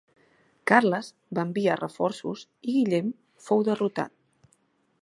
Carles va enviar reforços i Guillem fou derrotat.